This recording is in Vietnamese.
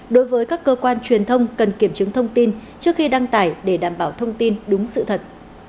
đối với các cơ quan truyền thông cần kiểm chứng thông tin trước khi đăng tải để đảm bảo thông tin đúng sự thật